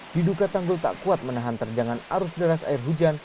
diduga tanggul tak kuat menahan terjangan arus deras air hujan